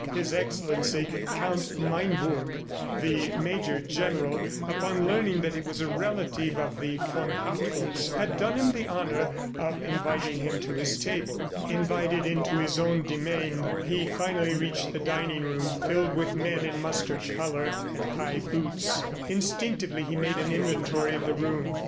His Excellency, Count Meinbourg, the Major General, upon learning that he was a relative of the von Hartrotts, had done him the honor of inviting him to his table. Invited into his own demesne, he finally reached the dining room, filled with men in mustard color and high boots. Instinctively, he made an inventory of the room.